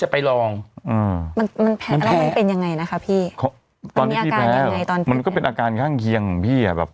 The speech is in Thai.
จะไปลองมันแพ้แล้วมันเป็นยังไงนะคะพี่ตอนที่พี่แพ้หรอมันก็เป็นอาการข้างเคียงของพี่อ่ะ